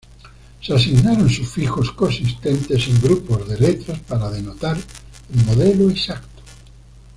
Se asignaron sufijos consistentes en grupos de letras para denotar el modelo exacto.